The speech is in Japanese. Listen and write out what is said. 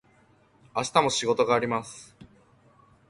明日も仕事があります。